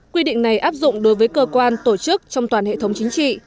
quy định này áp dụng đối với cơ quan tổ chức trong toàn hệ thống chính trị